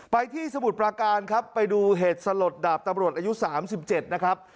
ที่สมุทรประการครับไปดูเหตุสลดดาบตำรวจอายุ๓๗นะครับ